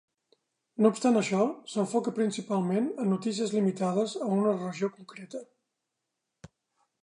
No obstant això, s'enfoca principalment en notícies limitades a una regió concreta.